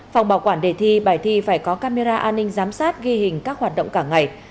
phòng bảo quản đề thi bài thi phải có camera an ninh giám sát ghi hình các hoạt động cả ngày